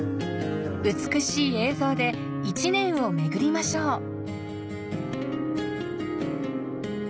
美しい映像で、１年をめぐりましょう。